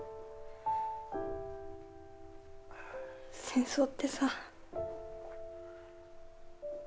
戦争ってさ。